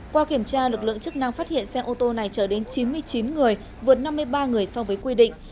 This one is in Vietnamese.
qua kiểm tra lực lượng chức năng phát hiện xe ô tô này chở đến chín mươi chín người vượt năm mươi ba người so với quy định